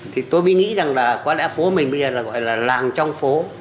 thì tôi mới nghĩ rằng là có lẽ phố mình bây giờ gọi là làng trong phố